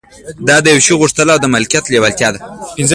دا د يوه شي غوښتل او د مالکيت لېوالتيا ده.